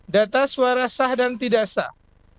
data suara sah dan tidak sah